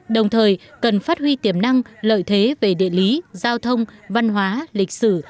đồng thời cần phát huy tiềm năng lợi thế về địa lý giao thông văn hóa lịch sử